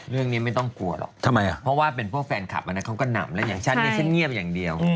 เรื่องนี้ไม่ต้องกลัวหรอกเพราะว่าเป็นพวกแฟนคลับอันนั้นเขาก็นำแล้วอย่างฉันเนี่ยฉันเงียบอย่างเดียว